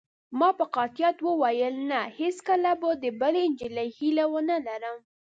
ما په قاطعیت وویل: نه، هیڅکله به د بلې نجلۍ هیله ونه لرم.